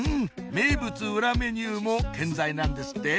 名物裏メニューも健在なんですって？